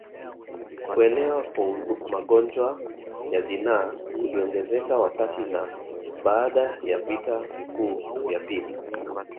Kuenea kwa magonjwa ya zinaa kuliongezeka wakati na baada ya vita vikuu vya pili